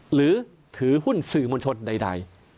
หรือถือหุ้นสื่อมวลชนใด